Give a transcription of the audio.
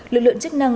lực lượng chức năng